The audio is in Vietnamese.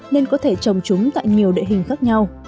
nên có thể trồng chúng tại nhiều địa hình khác nhau